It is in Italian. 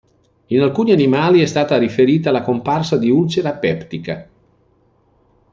In alcuni animali è stata riferita la comparsa di ulcera peptica.